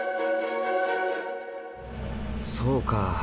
そうか。